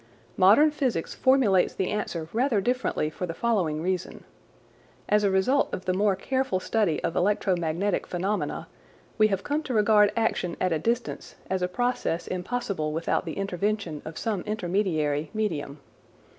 Modern physics formulates the answer rather differently for the following reason. As a result of the more careful study of electromagnetic phenomena, we have come to regard action at a distance as a process impossible without the intervention of some intermediary medium.